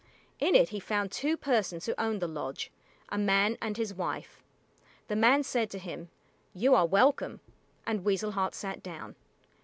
In it he found two persons who owned the lodge, a man and his wife. The man said to him, "You are welcome," and Weasel Heart sat down.